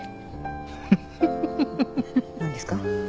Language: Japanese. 何ですか？